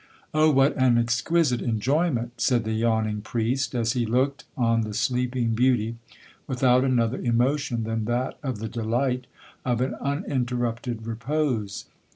'Oh what an exquisite enjoyment!' said the yawning priest, as he looked on the sleeping beauty without another emotion than that of the delight of an uninterrupted repose.